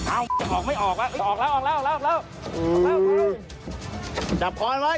อ้าวออกไม่ออกออกแล้วออกแล้วออกแล้วออกแล้วจับคอลไว้